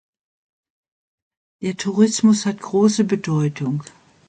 Der Tourismus hat große Bedeutung.